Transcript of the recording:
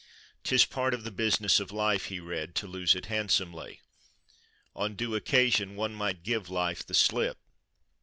"'Tis part of the business of life," he read, "to lose it handsomely." On due occasion, "one might give life the slip."